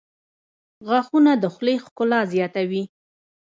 • غاښونه د خولې ښکلا زیاتوي.